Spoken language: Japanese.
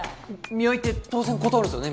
見合いって当然断るんすよね